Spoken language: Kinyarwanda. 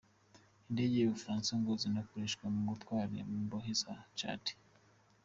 Indege z’u Bufaransa ngo zinakoreshwa mu gutwara imbohe za Tchad.